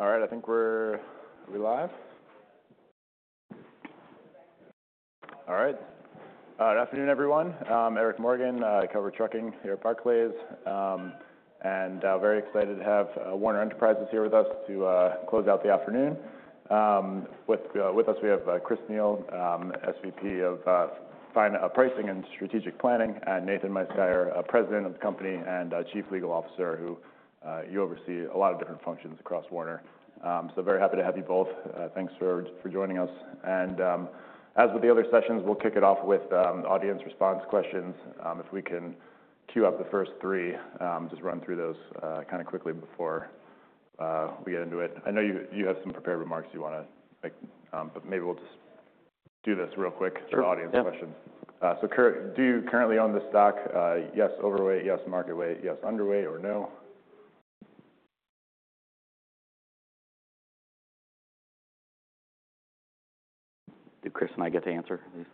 All right. I think we're—are we live? All right. Good afternoon, everyone. Eric Morgan, cover trucking here at Barclays, and very excited to have Werner Enterprises here with us to close out the afternoon. With us, we have Chris Neil, SVP of Pricing and Strategic Planning, and Nathan Meisgeier, President of the company and Chief Legal Officer who you oversee a lot of different functions across Werner, so very happy to have you both. Thanks for joining us. As with the other sessions, we'll kick it off with audience response questions. If we can cue up the first three, just run through those kinda quickly before we get into it. I know you have some prepared remarks you wanna make, but maybe we'll just do this real quick. Sure. For audience questions. So, currently, do you currently own this stock? Yes, overweight; yes, market weight; yes, underweight; or no? Do Chris and I get to answer these?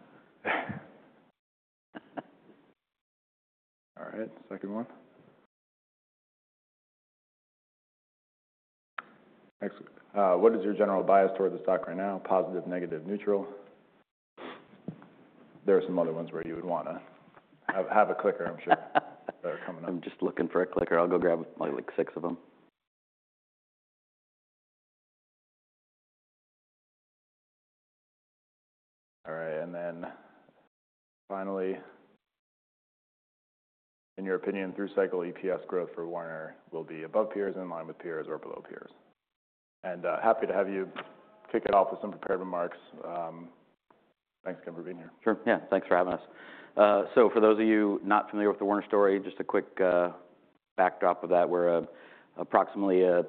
All right. Second one. Next, what is your general bias toward the stock right now? Positive, negative, neutral? There are some other ones where you would wanna have a clicker, I'm sure, that are coming up. I'm just looking for a clicker. I'll go grab, like, like six of them. All right. And then finally, in your opinion, through cycle, EPS growth for Werner will be above peers, in line with peers, or below peers? And happy to have you kick it off with some prepared remarks. Thanks again for being here. Sure. Yeah. Thanks for having us. So for those of you not familiar with the Werner story, just a quick backdrop of that. We're approximately a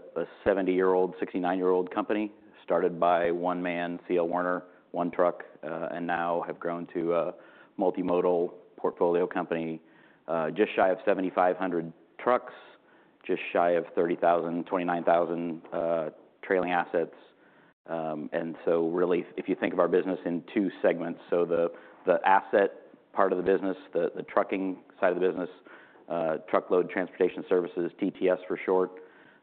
70-year-old, 69-year-old company started by one man, C.L. Werner, one truck, and now have grown to a multimodal portfolio company, just shy of 7,500 trucks, just shy of 30,000, 29,000 trailing assets. And so really, if you think of our business in two segments, so the asset part of the business, the trucking side of the business, Truckload Transportation Services, TTS for short,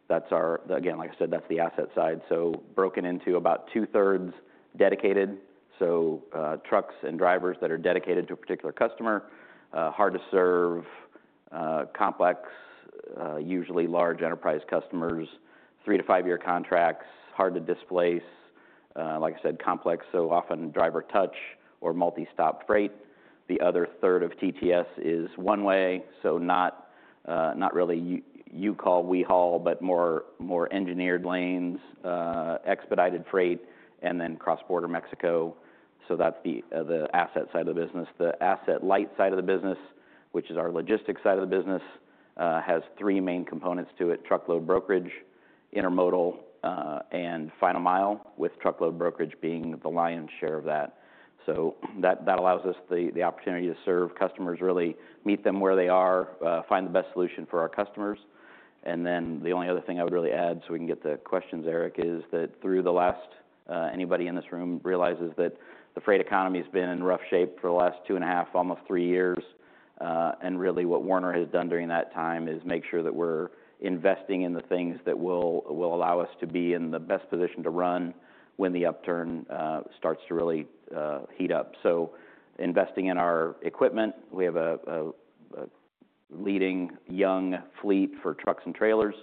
that's our, again, like I said, that's the asset side. So broken into about 2/3 Dedicated. So, trucks and drivers that are Dedicated to a particular customer, hard to serve, complex, usually large enterprise customers, three-to-five-year contracts, hard to displace. Like I said, complex, so often driver touch or multi-stop freight. The other third of TTS is One-Way, so not really you call, we haul, but more engineered lanes, expedited freight, and then cross-border Mexico. So that's the asset side of the business. The asset-light side of the business, which is our logistics side of the business, has three main components to it: Truckload Brokerage, Intermodal, and Final Mile, with Truckload Brokerage being the lion's share of that. So that allows us the opportunity to serve customers, really meet them where they are, find the best solution for our customers. And then the only other thing I would really add, so we can get to questions, Eric, is that anybody in this room realizes that the freight economy's been in rough shape for the last two and a half, almost three years. And really what Werner has done during that time is make sure that we're investing in the things that will allow us to be in the best position to run when the upturn starts to really heat up. So investing in our equipment, we have a leading young fleet for trucks and trailers,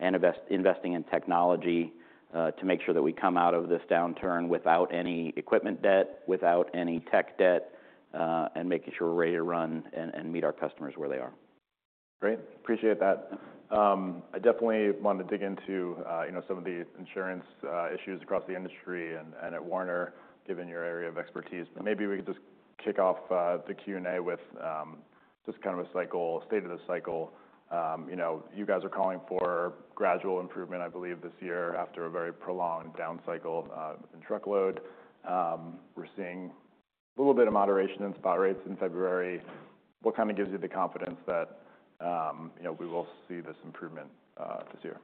and investing in technology, to make sure that we come out of this downturn without any equipment debt, without any tech debt, and making sure we're ready to run and meet our customers where they are. Great. Appreciate that. I definitely wanted to dig into, you know, some of the insurance issues across the industry and at Werner, given your area of expertise. But maybe we could just kick off the Q&A with just kind of a state of the cycle. You know, you guys are calling for gradual improvement, I believe, this year after a very prolonged down cycle in truckload. We're seeing a little bit of moderation in spot rates in February. What kinda gives you the confidence that, you know, we will see this improvement this year?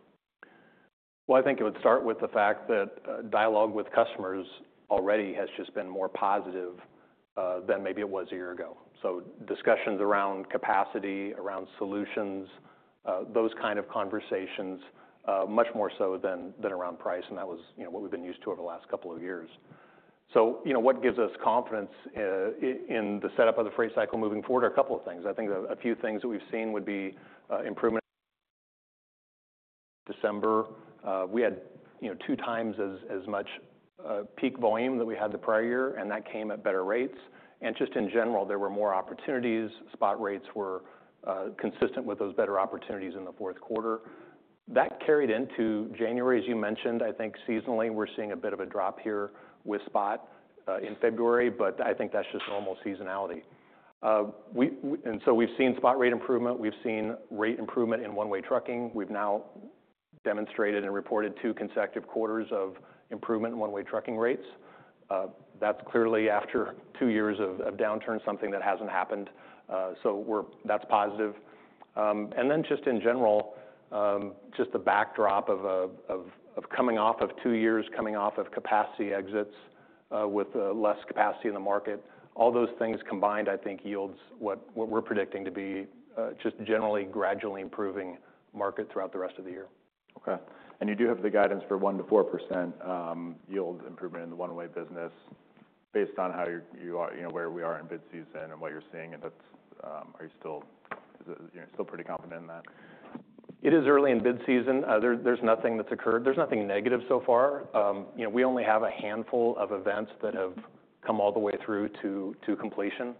I think it would start with the fact that dialogue with customers already has just been more positive than maybe it was a year ago, so discussions around capacity, around solutions, those kind of conversations, much more so than around price, and that was, you know, what we've been used to over the last couple of years, so you know, what gives us confidence in the setup of the freight cycle moving forward are a couple of things. I think a few things that we've seen would be improvement. December, we had you know two times as much peak volume that we had the prior year, and that came at better rates, and just in general, there were more opportunities. Spot rates were consistent with those better opportunities in the fourth quarter. That carried into January, as you mentioned. I think seasonally, we're seeing a bit of a drop here with spot, in February, but I think that's just normal seasonality. And so we've seen spot rate improvement. We've seen rate improvement in One-Way trucking. We've now demonstrated and reported two consecutive quarters of improvement in One-Way trucking rates. That's clearly after two years of downturn, something that hasn't happened. So that's positive. And then just in general, just the backdrop of coming off of two years, coming off of capacity exits, with less capacity in the market, all those things combined, I think, yields what we're predicting to be just generally gradually improving market throughout the rest of the year. Okay, and you do have the guidance for 1%-4% yield improvement in the One-Way business based on how you are, you know, where we are in bid season and what you're seeing. And that's, are you still pretty confident in that? It is early in bid season. There's nothing that's occurred. There's nothing negative so far. You know, we only have a handful of events that have come all the way through to completion.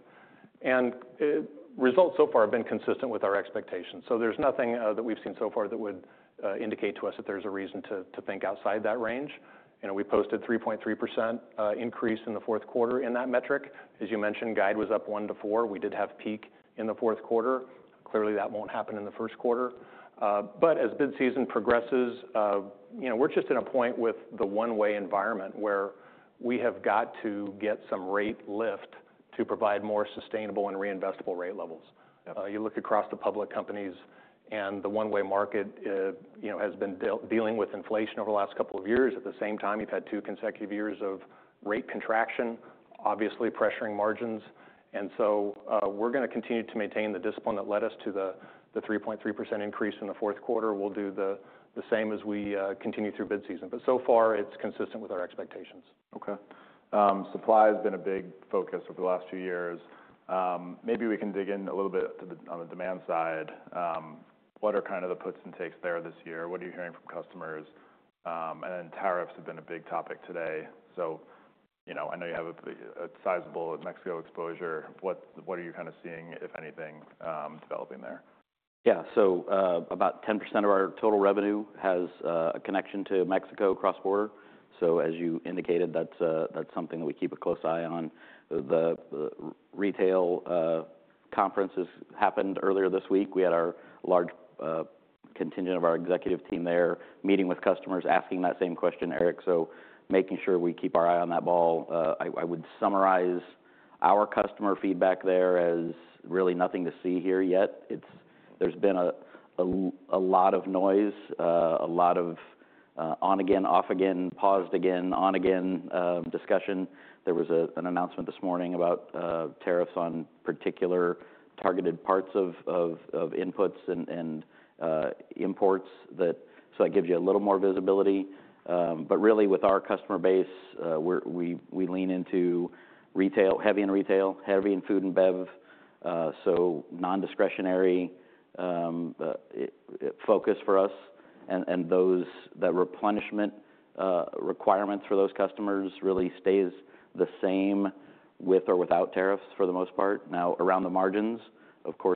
Results so far have been consistent with our expectations, so there's nothing that we've seen so far that would indicate to us that there's a reason to think outside that range. You know, we posted 3.3% increase in the fourth quarter in that metric. As you mentioned, guide was up 1%-4%. We did have peak in the fourth quarter. Clearly, that won't happen in the first quarter, but as bid season progresses, you know, we're just at a point with the One-Way environment where we have got to get some rate lift to provide more sustainable and reinvestable rate levels. Yeah. You look across the public companies, and the One-Way market, you know, has been dealing with inflation over the last couple of years. At the same time, you've had two consecutive years of rate contraction, obviously pressuring margins. And so, we're gonna continue to maintain the discipline that led us to the 3.3% increase in the fourth quarter. We'll do the same as we continue through bid season. But so far, it's consistent with our expectations. Okay. Supply has been a big focus over the last two years. Maybe we can dig in a little bit to the on the demand side. What are kinda the puts and takes there this year? What are you hearing from customers? And then tariffs have been a big topic today. So, you know, I know you have a sizable Mexico exposure. What are you kinda seeing, if anything, developing there? Yeah. So, about 10% of our total revenue has a connection to Mexico cross-border. So as you indicated, that's something that we keep a close eye on. The retail conference has happened earlier this week. We had our large contingent of our executive team there meeting with customers, asking that same question, Eric. So making sure we keep our eye on that ball. I would summarize our customer feedback there as really nothing to see here yet. It's, there's been a lot of noise, a lot of on again, off again, paused again, on again, discussion. There was an announcement this morning about tariffs on particular targeted parts of inputs and imports that so that gives you a little more visibility. But really, with our customer base, we lean into retail, heavy in retail, heavy in food and bev, so non-discretionary, it focus for us. And those replenishment requirements for those customers really stays the same with or without tariffs for the most part. Now, around the margins, of course,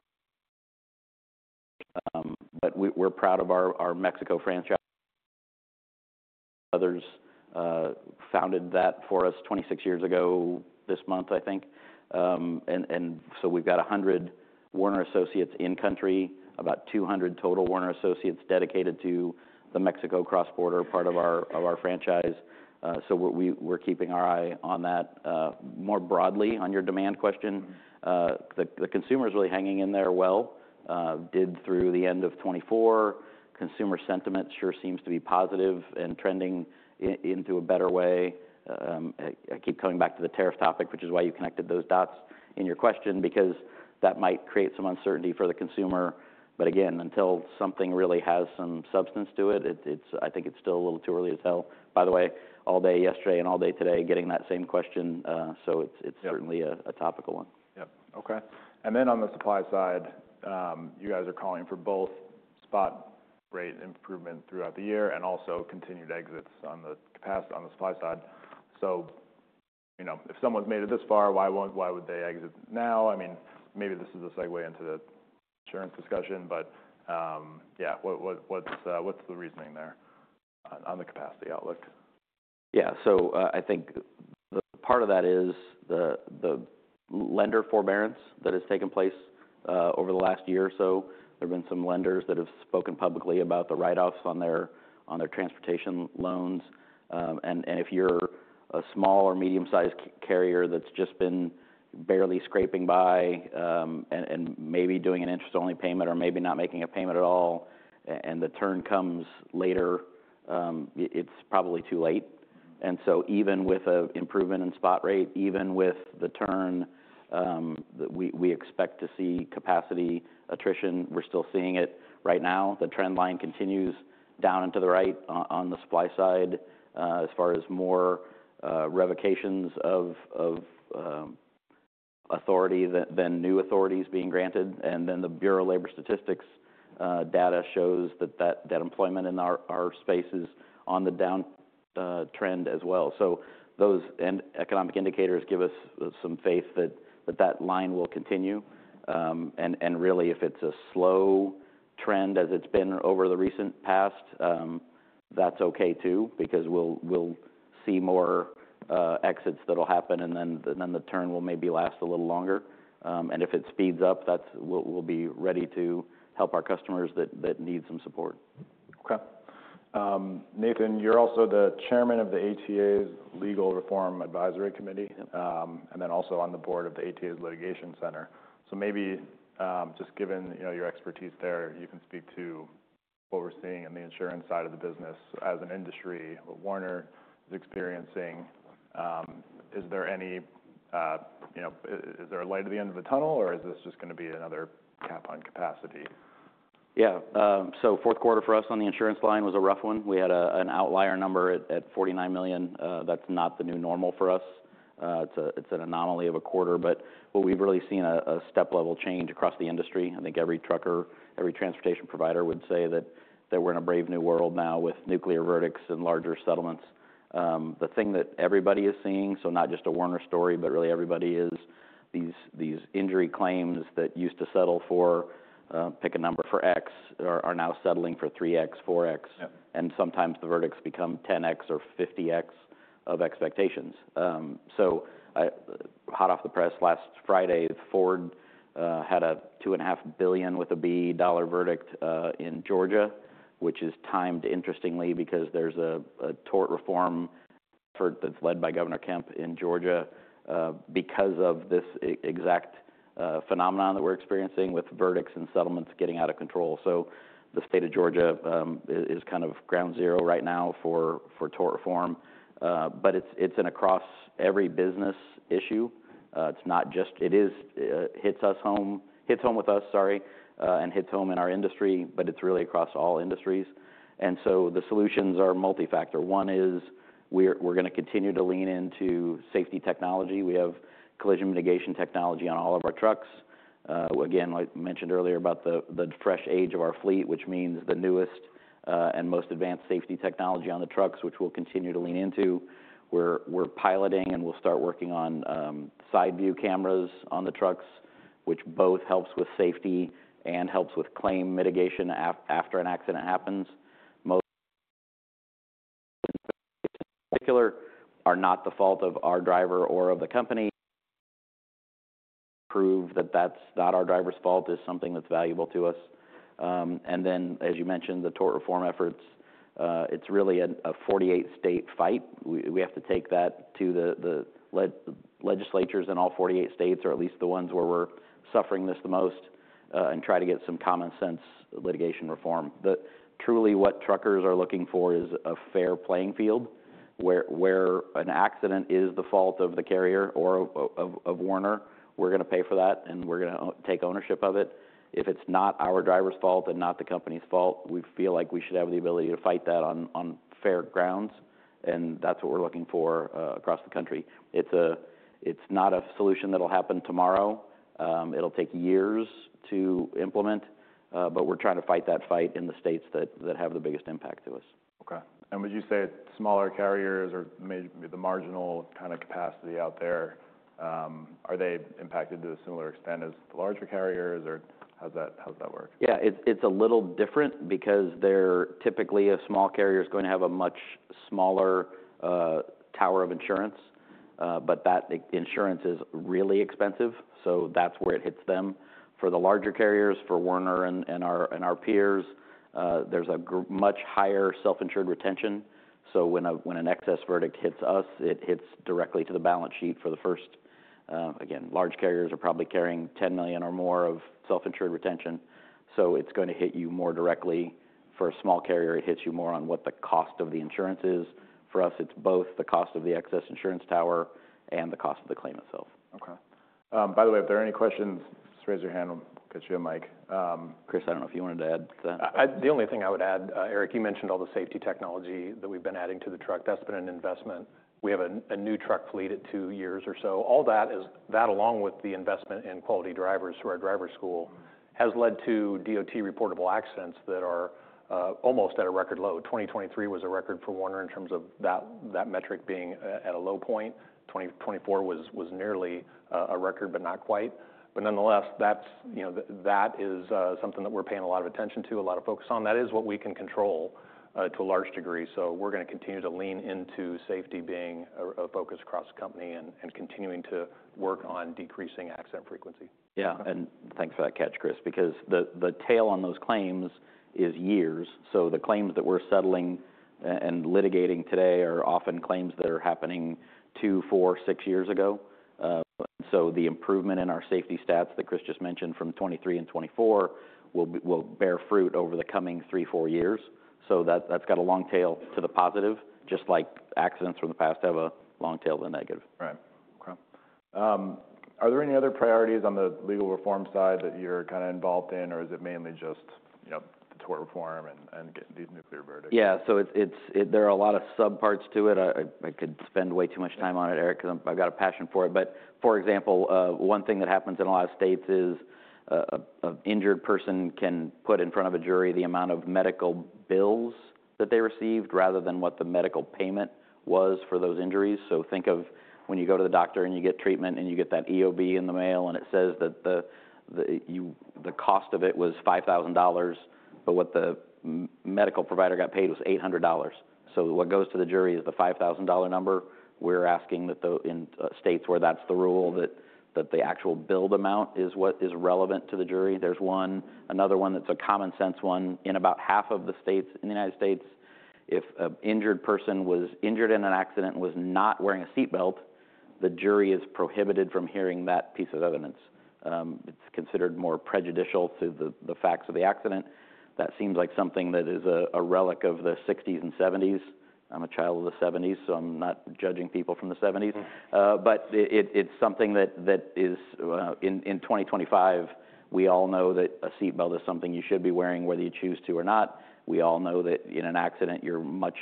but we're proud of our Mexico franchise. Others founded that for us 26 years ago this month, I think. And so we've got 100 Werner associates in country, about 200 total Werner associates dedicated to the Mexico cross-border part of our franchise. So we're keeping our eye on that. More broadly, on your demand question, the consumer's really hanging in there well through the end of 2024. Consumer sentiment sure seems to be positive and trending into a better way. I keep coming back to the tariff topic, which is why you connected those dots in your question, because that might create some uncertainty for the consumer. But again, until something really has some substance to it, it's. I think it's still a little too early to tell. By the way, all day yesterday and all day today, getting that same question. So it's certainly a topical one. Yeah. Okay. Then on the supply side, you guys are calling for both spot rate improvement throughout the year and also continued exits on the capacity on the supply side. So, you know, if someone's made it this far, why would they exit now? I mean, maybe this is a segue into the insurance discussion, but yeah, what's the reasoning there on the capacity outlook? Yeah. So, I think the part of that is the lender forbearance that has taken place over the last year or so. There've been some lenders that have spoken publicly about the write-offs on their transportation loans, and if you're a small or medium-sized carrier that's just been barely scraping by, and maybe doing an interest-only payment or maybe not making a payment at all, and the turn comes later, it's probably too late. So even with an improvement in spot rate, even with the turn that we expect to see capacity attrition, we're still seeing it right now. The trend line continues down and to the right, on the supply side, as far as more revocations of authority than new authorities being granted. And then the Bureau of Labor Statistics data shows that employment in our space is on the downtrend as well. So those economic indicators give us some faith that that line will continue. And really, if it's a slow trend as it's been over the recent past, that's okay too, because we'll see more exits that'll happen, and then the turn will maybe last a little longer. And if it speeds up, we'll be ready to help our customers that need some support. Okay. Nathan, you're also the Chairman of the ATA Legal Reform Advisory Committee. Yeah. And then also on the Board of the ATA Litigation Center. So maybe, just given, you know, your expertise there, you can speak to what we're seeing in the insurance side of the business as an industry that Werner is experiencing. Is there any, you know, is there a light at the end of the tunnel, or is this just gonna be another cap on capacity? Yeah. So fourth quarter for us on the insurance line was a rough one. We had an outlier number at $49 million. That's not the new normal for us. It's an anomaly of a quarter. But what we've really seen is a step-level change across the industry. I think every trucker, every transportation provider would say that we're in a brave new world now with nuclear verdicts and larger settlements. The thing that everybody is seeing, so not just a Werner story, but really everybody is seeing these injury claims that used to settle for, pick a number for X, are now settling for 3x, 4x. Yeah. And sometimes the verdicts become 10x or 50x of expectations. So, hot off the press, last Friday, Ford had a $2.5 billion verdict in Georgia, which is timed interestingly because there's a tort reform effort that's led by Governor Kemp in Georgia because of this exact phenomenon that we're experiencing with verdicts and settlements getting out of control. So the state of Georgia is kind of ground zero right now for tort reform. But it's an across-every-business issue. It's not just. It hits home with us, sorry, and hits home in our industry, but it's really across all industries. And so the solutions are multi-factor. One is we're gonna continue to lean into safety technology. We have collision mitigation technology on all of our trucks. Again, like mentioned earlier about the average age of our fleet, which means the newest and most advanced safety technology on the trucks, which we'll continue to lean into. We're piloting, and we'll start working on side-view cameras on the trucks, which both helps with safety and helps with claim mitigation after an accident happens. Most in particular are not the fault of our driver or of the company. Prove that that's not our driver's fault is something that's valuable to us. And then, as you mentioned, the tort reform efforts, it's really a 48-state fight. We have to take that to the legislatures in all 48 states, or at least the ones where we're suffering this the most, and try to get some common-sense litigation reform. But truly, what truckers are looking for is a fair playing field where an accident is the fault of the carrier or of Werner. We're gonna pay for that, and we're gonna take ownership of it. If it's not our driver's fault and not the company's fault, we feel like we should have the ability to fight that on fair grounds. And that's what we're looking for, across the country. It's not a solution that'll happen tomorrow. It'll take years to implement. But we're trying to fight that fight in the states that have the biggest impact to us. Okay. And would you say smaller carriers or maybe the marginal kinda capacity out there, are they impacted to a similar extent as the larger carriers, or how's that work? Yeah. It's a little different because they're typically a small carrier's gonna have a much smaller tower of insurance. But that insurance is really expensive. So that's where it hits them. For the larger carriers, for Werner and our peers, there's a much higher self-insured retention. So when an excess verdict hits us, it hits directly to the balance sheet for the first, again, large carriers are probably carrying 10 million or more of self-insured retention. So it's gonna hit you more directly. For a small carrier, it hits you more on what the cost of the insurance is. For us, it's both the cost of the excess insurance tower and the cost of the claim itself. Okay. By the way, if there are any questions, just raise your hand. We'll get you a mic. Chris, I don't know if you wanted to add to that. The only thing I would add, Eric, you mentioned all the safety technology that we've been adding to the truck. That's been an investment. We have a new truck fleet at two years or so. All that, along with the investment in quality drivers for our driver school, has led to DOT reportable accidents that are almost at a record low. 2023 was a record for Werner in terms of that metric being at a low point. 2024 was nearly a record, but not quite. But nonetheless, that's, you know, that is, something that we're paying a lot of attention to, a lot of focus on. That is what we can control, to a large degree. So we're gonna continue to lean into safety being a focus across the company and continuing to work on decreasing accident frequency. Yeah. Thanks for that catch, Chris, because the tail on those claims is years. So the claims that we're settling and litigating today are often claims that are happening two, four, six years ago, and so the improvement in our safety stats that Chris just mentioned from 2023 and 2024 will bear fruit over the coming three, four years. So that's got a long tail to the positive, just like accidents from the past have a long tail to the negative. Right. Okay. Are there any other priorities on the legal reform side that you're kinda involved in, or is it mainly just, you know, the tort reform and, and getting these nuclear verdicts? Yeah. So it's. There are a lot of subparts to it. I could spend way too much time on it, Eric, 'cause I've got a passion for it. But for example, one thing that happens in a lot of states is a injured person can put in front of a jury the amount of medical bills that they received rather than what the medical payment was for those injuries. So think of when you go to the doctor and you get treatment and you get that EOB in the mail and it says that the cost of it was $5,000, but what the medical provider got paid was $800. So what goes to the jury is the $5,000 number. We're asking that though in states where that's the rule, that the actual billed amount is what is relevant to the jury. There's one another one that's a common-sense one. In about half of the states in the United States, if an injured person was injured in an accident and was not wearing a seatbelt, the jury is prohibited from hearing that piece of evidence. It's considered more prejudicial to the facts of the accident. That seems like something that is a relic of the 1960s and 1970s. I'm a child of the 1970s, so I'm not judging people from the 1970s. But it's something that is, in 2025, we all know that a seatbelt is something you should be wearing whether you choose to or not. We all know that in an accident, you're much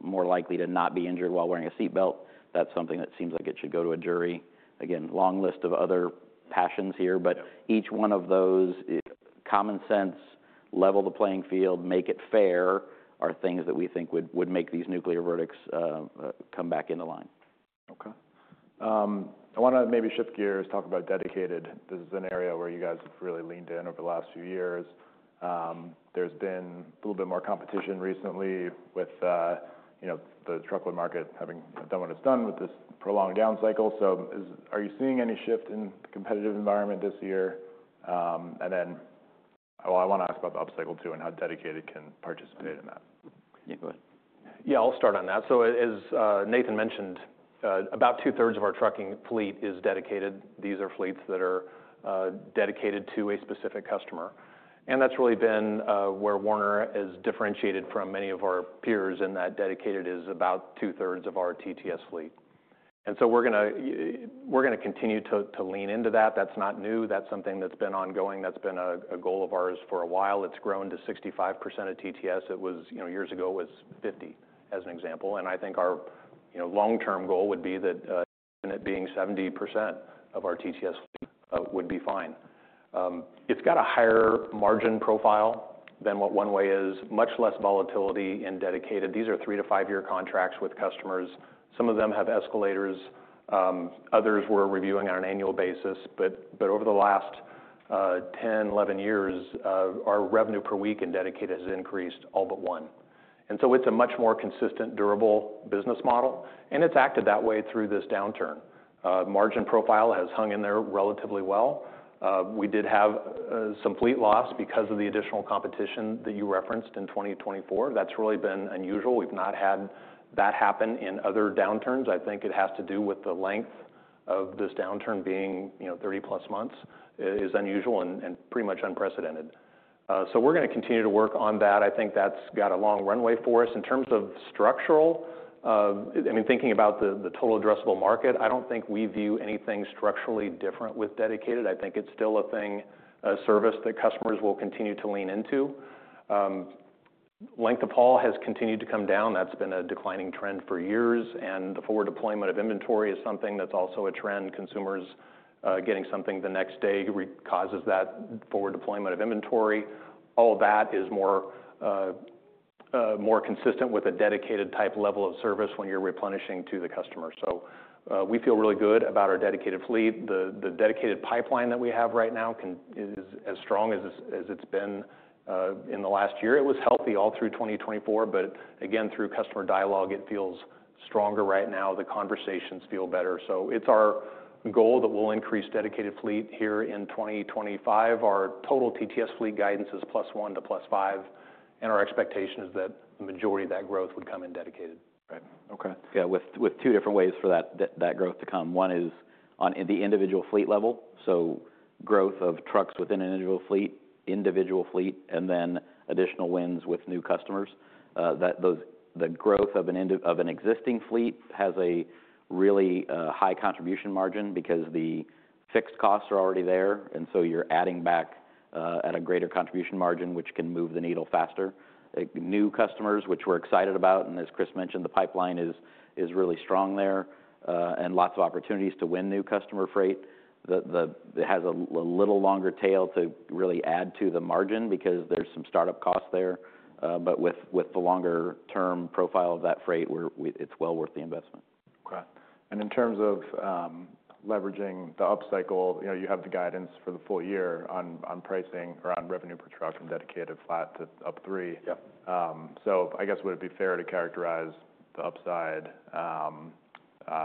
more likely to not be injured while wearing a seatbelt. That's something that seems like it should go to a jury. Again, long list of other passions here, but each one of those, in common sense, level the playing field, make it fair are things that we think would make these nuclear verdicts come back into line. Okay. I wanna maybe shift gears, talk about dedicated. This is an area where you guys have really leaned in over the last few years. There's been a little bit more competition recently with, you know, the truckload market having done what it's done with this prolonged down cycle. So, are you seeing any shift in the competitive environment this year, and then, well, I wanna ask about the up cycle too and how dedicated can participate in that. Yeah. Go ahead. Yeah. I'll start on that. So as Nathan mentioned, about 2/3 of our trucking fleet is dedicated. These are fleets that are dedicated to a specific customer. And that's really been where Werner has differentiated from many of our peers in that dedicated is about 2/3 of our TTS fleet. And so we're gonna continue to lean into that. That's not new. That's something that's been ongoing. That's been a goal of ours for a while. It's grown to 65% of TTS. It was, you know, years ago, it was 50% as an example. And I think our, you know, long-term goal would be that it being 70% of our TTS would be fine. It's got a higher margin profile than what One-Way is. Much less volatility in Dedicated. These are three-to-five-year contracts with customers. Some of them have escalators. Others we're reviewing on an annual basis. But over the last 10, 11 years, our revenue per week in Dedicated has increased all but one. And so it's a much more consistent, durable business model, and it's acted that way through this downturn. Margin profile has hung in there relatively well. We did have some fleet loss because of the additional competition that you referenced in 2024. That's really been unusual. We've not had that happen in other downturns. I think it has to do with the length of this downturn being, you know, 30-plus months. It is unusual and pretty much unprecedented. We're gonna continue to work on that. I think that's got a long runway for us. In terms of structural, I mean, thinking about the total addressable market, I don't think we view anything structurally different with Dedicated. I think it's still a thing, a service that customers will continue to lean into. Length of haul has continued to come down. That's been a declining trend for years. The forward deployment of inventory is something that's also a trend. Consumers getting something the next day requires that forward deployment of inventory. All that is more, more consistent with a Dedicated-type level of service when you're replenishing to the customer. We feel really good about our dedicated fleet. The Dedicated pipeline that we have right now is as strong as it's been in the last year. It was healthy all through 2024, but again, through customer dialogue, it feels stronger right now. The conversations feel better. It's our goal that we'll increase Dedicated fleet here in 2025. Our total TTS fleet guidance is +1-+5, and our expectation is that the majority of that growth would come in Dedicated. Right. Okay. Yeah. With two different ways for that growth to come. One is on the individual fleet level. So growth of trucks within an individual fleet, and then additional wins with new customers. The growth of an existing fleet has a really high contribution margin because the fixed costs are already there. And so you're adding back at a greater contribution margin, which can move the needle faster. New customers, which we're excited about. And as Chris mentioned, the pipeline is really strong there, and lots of opportunities to win new customer freight. It has a little longer tail to really add to the margin because there's some startup costs there. But with the longer-term profile of that freight, we're, it's well worth the investment. Okay. And in terms of leveraging the up cycle, you know, you have the guidance for the full year on pricing around revenue per truck from Dedicated flat to up 3%. Yep. So, I guess, would it be fair to characterize the upside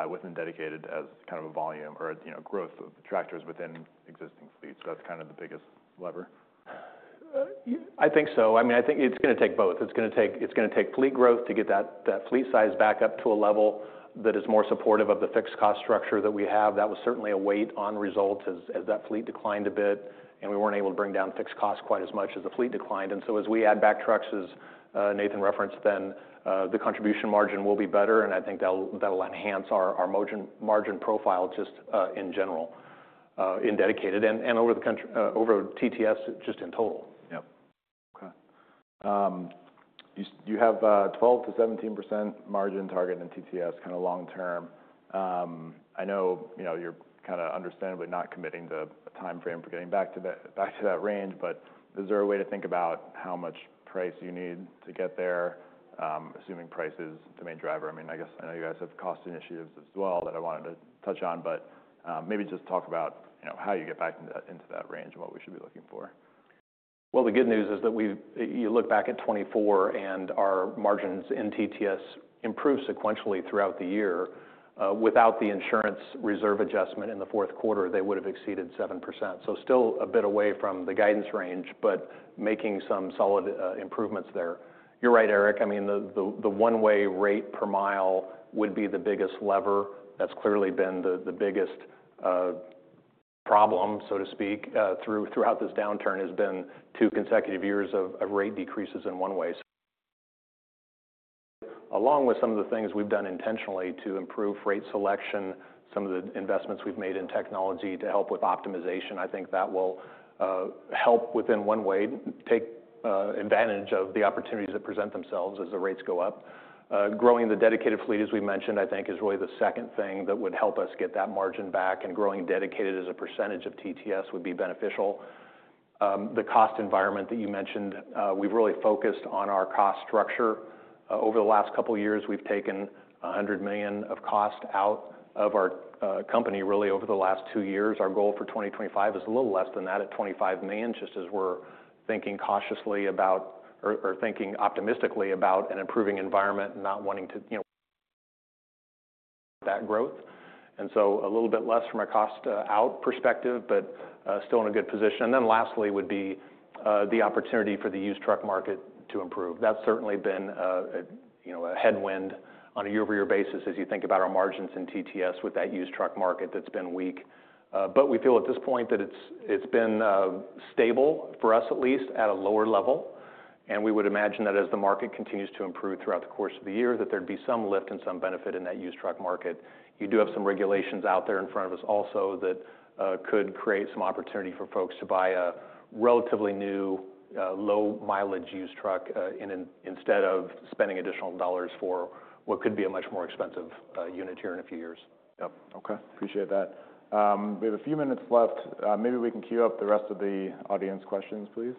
within Dedicated as kind of a volume or, you know, growth of tractors within existing fleets? That's kind of the biggest lever. Yeah, I think so. I mean, I think it's gonna take both. It's gonna take fleet growth to get that fleet size back up to a level that is more supportive of the fixed-cost structure that we have. That was certainly a weight on results as that fleet declined a bit, and we weren't able to bring down fixed costs quite as much as the fleet declined. And so as we add back trucks, as Nathan referenced, then the contribution margin will be better, and I think that'll enhance our margin profile just in general in Dedicated and One-Way over TTS just in total. Yep. Okay. You have a 12%-17% margin target in TTS kinda long-term. I know, you know, you're kinda understandably not committing to a timeframe for getting back to that range, but is there a way to think about how much price you need to get there, assuming price is the main driver? I mean, I guess I know you guys have cost initiatives as well that I wanted to touch on, but maybe just talk about, you know, how you get back into that range and what we should be looking for. The good news is that we've, if you look back at 2024 and our margins in TTS improved sequentially throughout the year. Without the insurance reserve adjustment in the fourth quarter, they would've exceeded 7%. So still a bit away from the guidance range, but making some solid improvements there. You're right, Eric. I mean, the One-Way rate per mile would be the biggest lever. That's clearly been the biggest problem, so to speak, throughout this downturn has been two consecutive years of rate decreases in One-Way. Along with some of the things we've done intentionally to improve rate selection, some of the investments we've made in technology to help with optimization, I think that will help within One-Way take advantage of the opportunities that present themselves as the rates go up. Growing the dedicated fleet, as we mentioned, I think is really the second thing that would help us get that margin back, and growing dedicated as a percentage of TTS would be beneficial. The cost environment that you mentioned, we've really focused on our cost structure. Over the last couple of years, we've taken $100 million of cost out of our company really over the last two years. Our goal for 2025 is a little less than that at $25 million, just as we're thinking cautiously about or thinking optimistically about an improving environment and not wanting to, you know, that growth. And so a little bit less from a cost-out perspective, but still in a good position. And then lastly would be the opportunity for the used truck market to improve. That's certainly been you know a headwind on a year-over-year basis as you think about our margins in TTS with that used truck market that's been weak. But we feel at this point that it's been stable for us at least at a lower level. And we would imagine that as the market continues to improve throughout the course of the year, that there'd be some lift and some benefit in that used truck market. You do have some regulations out there in front of us also that could create some opportunity for folks to buy a relatively new low-mileage used truck in instead of spending additional dollars for what could be a much more expensive unit here in a few years. Yep. Okay. Appreciate that. We have a few minutes left. Maybe we can queue up the rest of the audience questions, please.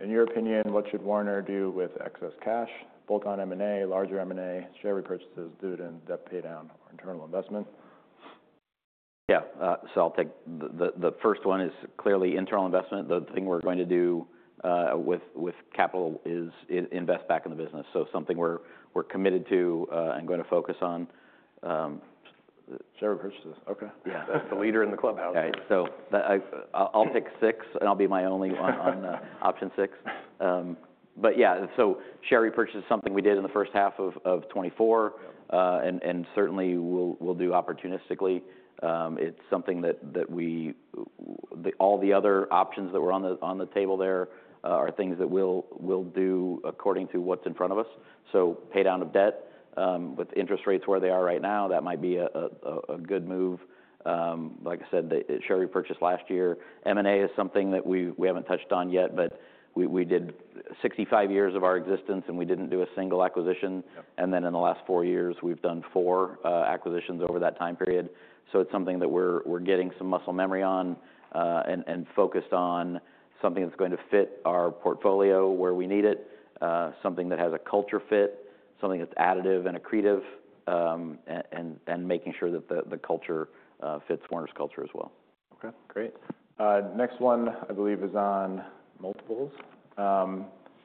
In your opinion, what should Werner do with excess cash, bulk on M&A, larger M&A, share repurchases, dividend, debt paydown, or internal investment? Yeah, so I'll take the first one is clearly internal investment. The thing we're going to do with capital is invest back in the business, so something we're committed to and gonna focus on. Share repurchases. Okay. Yeah. That's the leader in the clubhouse. Okay, so that I'll pick six, and I'll be my only one on option six, but yeah, share repurchase is something we did in the first half of 2024. Yep. And certainly we'll do opportunistically. It's something that we want, all the other options that were on the table there are things that we'll do according to what's in front of us. So paydown of debt, with interest rates where they are right now, that might be a good move. Like I said, the share repurchase last year. M&A is something that we haven't touched on yet, but we did 65 years of our existence, and we didn't do a single acquisition. Yep. And then in the last four years, we've done four acquisitions over that time period. So it's something that we're getting some muscle memory on, and focused on something that's going to fit our portfolio where we need it, something that has a culture fit, something that's additive and accretive, and making sure that the culture fits Werner's culture as well. Okay. Great. Next one, I believe, is on multiples.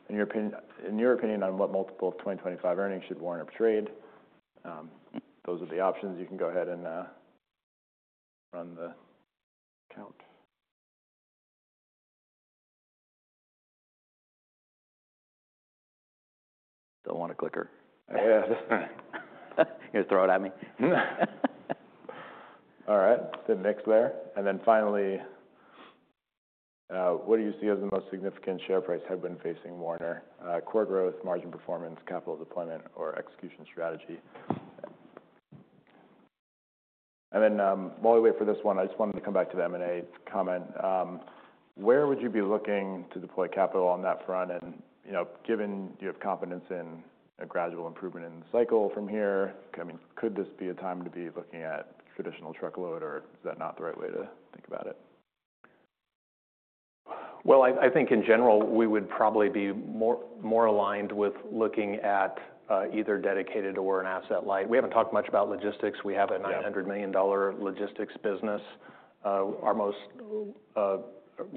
In your opinion on what multiple of 2025 earnings should Werner trade, those are the options. You can go ahead and run the count. Don't want a clicker. Yeah. You're gonna throw it at me? All right. And then finally, what do you see as the most significant share price headwind facing Werner: core growth, margin performance, capital deployment, or execution strategy? And then, while we wait for this one, I just wanted to come back to the M&A comment. Where would you be looking to deploy capital on that front? And, you know, given you have confidence in a gradual improvement in the cycle from here, I mean, could this be a time to be looking at traditional truckload, or is that not the right way to think about it? I think in general, we would probably be more aligned with looking at either dedicated or an asset-light. We haven't talked much about logistics. We have a $900 million logistics business. One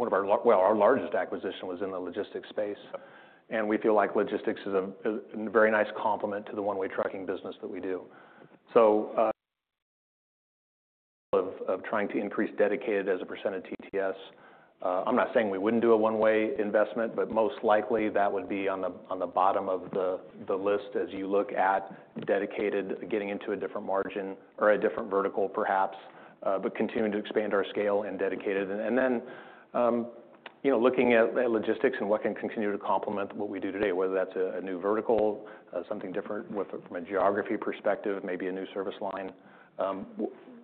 of our, well, our largest acquisition was in the logistics space. Yep. And we feel like logistics is a very nice complement to the One-Way trucking business that we do. So, of trying to increase dedicated as a % of TTS. I'm not saying we wouldn't do a One-Way investment, but most likely that would be on the bottom of the list as you look at dedicated, getting into a different margin or a different vertical, perhaps, but continuing to expand our scale in dedicated. And then, you know, looking at logistics and what can continue to complement what we do today, whether that's a new vertical, something different from a geography perspective, maybe a new service line.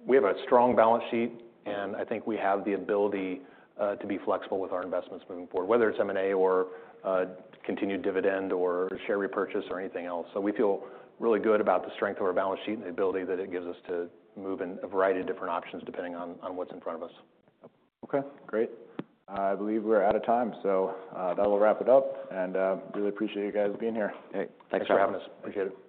We have a strong balance sheet, and I think we have the ability to be flexible with our investments moving forward, whether it's M&A or continued dividend or share repurchase or anything else. We feel really good about the strength of our balance sheet and the ability that it gives us to move in a variety of different options depending on what's in front of us. Yep. Okay. Great. I believe we're out of time, so that'll wrap it up, and really appreciate you guys being here. Hey. Thanks for having us. Thanks. Appreciate it.